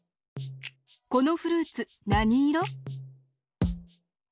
このフルーツなにいろ？